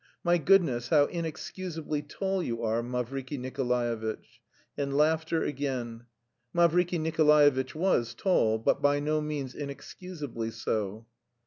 My goodness, how inexcusably tall you are, Mavriky Nikolaevitch!" And laughter again, Mavriky Nikolaevitch was tall, but by no means inexcusably so.